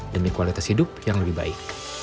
demi kualitas hidup yang lebih baik